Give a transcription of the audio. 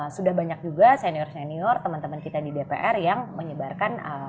sudah banyak juga senior senior teman teman kita di dpr yang menyebarkan